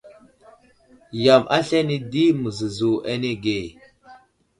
Yam aslane di məzəzo anege.